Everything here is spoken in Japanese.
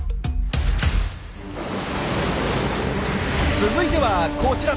続いてはこちら！